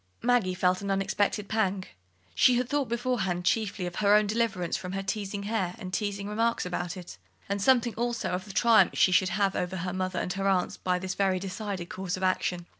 Maggie felt an unexpected pang. She had thought beforehand chiefly of her own deliverance from her teasing hair and teasing remarks about it, and something also of the triumph she should have over her mother and her aunts by this very decided course of action.